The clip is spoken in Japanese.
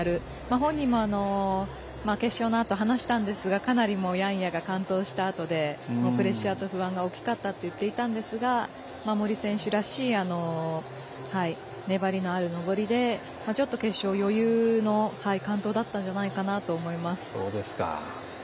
本人も決勝のあとに話したんですがかなりヤンヤが完登したあとでプレッシャーと不安が大きかったと言っていたんですが森選手らしい粘りのある登りでちょっと決勝、余裕の完登だったんじゃないかなと思います。